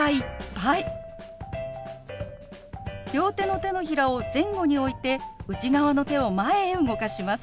両手の手のひらを前後に置いて内側の手を前へ動かします。